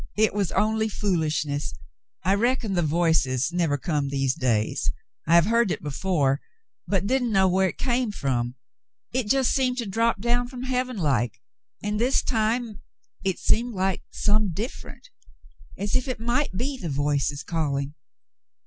"It was only foolishness. I reckon the 'Voices' never come these days. I have heard it before, but didn't know where it came from. It just seemed to drop down from heaven like, and this time it seemed some different, as if it might be the 'Voices ' calling.